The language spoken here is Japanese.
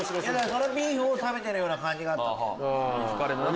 そのビーフを食べてるような感じがあった。